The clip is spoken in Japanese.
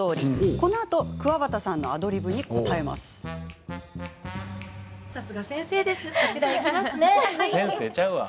このあと、くわばたさんのアドリブに答えます。